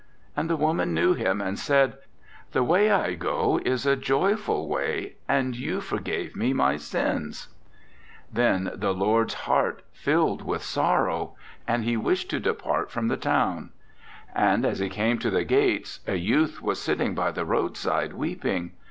And the woman knew him, and said: 'The way I go is a joyful way, and you forgave me my sins.' 37 RECOLLECTIONS OF OSCAR WILDE "Then the Lord's heart filled with sorrow, and he wished to depart from the town. And as he came to the gates, a youth was sitting by the roadside, weeping.